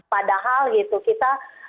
padahal gitu kita